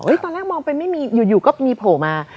ตอนแรกมองไปไม่มีอยู่ก็มีโผล่มา